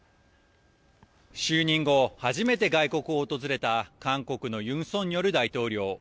就任後、初めて外国を訪れた韓国のユン・ソンニョル大統領。